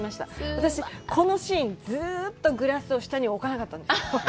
私、このシーン、ずうっとグラスを下に置かなかったんですよ。